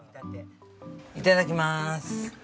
いただきまーす。